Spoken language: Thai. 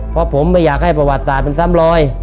เพราะผมไม่อยากให้ประวัติศาสตร์มันซ้ำรอย